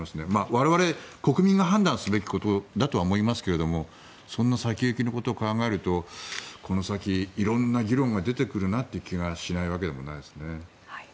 我々国民が判断することだとは思いますけどもその先行きのことを考えるとこの先、色んな議論が出てくるなという気がしないわけでもないですね。